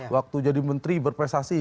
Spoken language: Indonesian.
waktu jadi menteri berprestasi